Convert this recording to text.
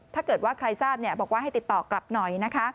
ถ้าเกิดว่าใครทราบบอกว่าให้ติดต่อกลับหน่อยนะคะ